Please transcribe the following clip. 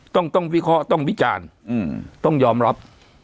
ต้องวิเคราะห์ต้องวิจารณ์ต้องยอมรับ